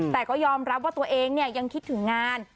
แต่ก็ยอมรับว่าตัวเองยังคิดถึงงาน